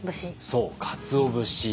そうかつお節。